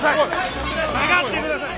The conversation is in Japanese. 下がってください。